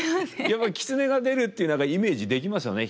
やっぱり狐が出るっていう何かイメージできますよね。